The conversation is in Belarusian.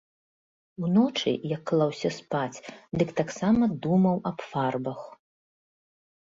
Уночы, як клаўся спаць, дык таксама думаў аб фарбах.